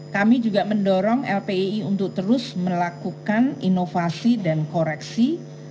kami juga mendorong lpi untuk terus melakukan inovasi dan koreksi